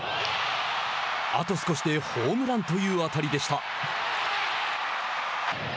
あと少しでホームランという当たりでした。